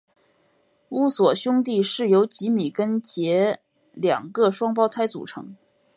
乌索兄弟是由吉米跟杰两个双胞胎组成。